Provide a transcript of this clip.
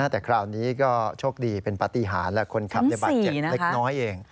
แต่คราวนี้ก็โชคดีเป็นปฏิหารและคนขับในบาดเจ็บเล็กน้อยเอง